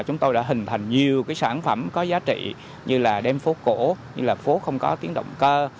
chúng tôi đã hình thành nhiều sản phẩm có giá trị như là đêm phố cổ như là phố không có tiếng động cơ